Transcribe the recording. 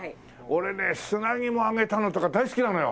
俺ね砂肝を揚げたのとか大好きなのよ。